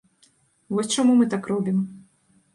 Вось чаму мы так робім.